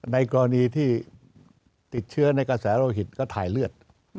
ในกรณีที่ติดเชื้อในกระแสโลหิตก็ถ่ายเลือด